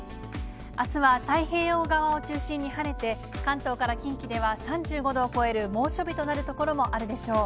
あすは太平洋側を中心に晴れて、関東から近畿では３５度を超える猛暑日となる所もあるでしょう。